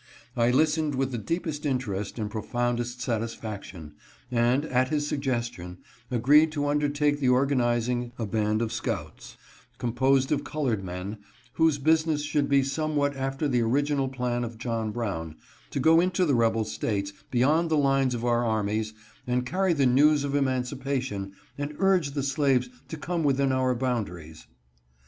I listened with th&J deepest interest and profoundest satisfaction, and, at his suggestion, agreed to undertake the organizing a band of scouts, composed of colored men, whose business should be somewhat after the original plan of John Brown, to go into the rebel States, beyond the lines of our armies, and carry the news of emancipation, abd urge the slaves to come within our boundaries.